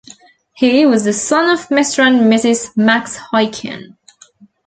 He was the son of Mr. and Mrs. Max Hiken.